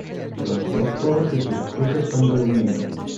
Las dos torres y sus cruces son de aluminio.